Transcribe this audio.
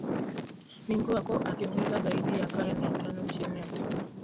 ni Mkuu wa koo akiongoza zaidi ya kaya mia tano chini ya utawala wa